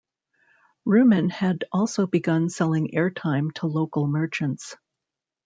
Reuman had also begun selling airtime to local merchants.